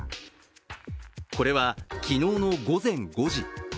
これは、昨日の午前５時。